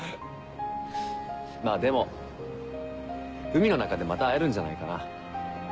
まぁでも海の中でまた会えるんじゃないかな。